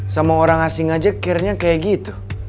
sama orang asing aja kiranya kayak gitu